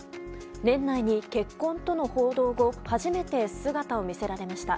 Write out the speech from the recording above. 年内に結婚との報道後初めて姿を見せられました。